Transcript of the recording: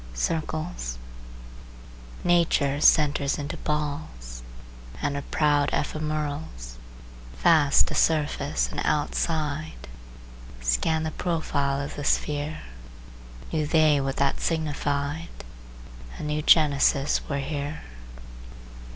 CIRCLES Nature centres into balls, And her proud ephemerals, Fast to surface and outside, Scan the profile of the sphere; Knew they what that signified, A new genesis were here.